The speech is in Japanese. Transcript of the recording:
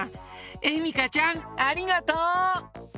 えみかちゃんありがとう！